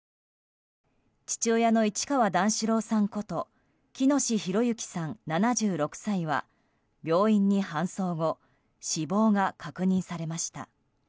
父親の市川段四郎さんこと喜熨斗弘之さん、７６歳は病院に搬送後死亡が確認されました。